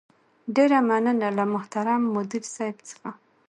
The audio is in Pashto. ډېره مننه له محترم مدير صيب څخه